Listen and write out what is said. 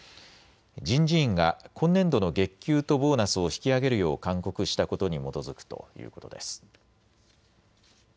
人事院が今年度の月給とボーナスを引き上げるよう勧告したことに基づくということです。